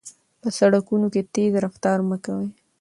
په سړکونو کې تېز رفتار مه کوئ.